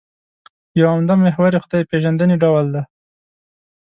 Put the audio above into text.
یو عمده محور یې خدای پېژندنې ډول دی.